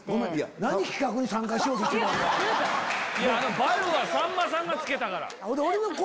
「バル」はさんまさんが付けたから。